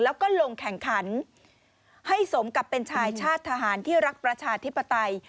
แล้วก็ลงแข่งขันให้สมกับเป็นชายชาติทหารที่รักประชาธิปไตย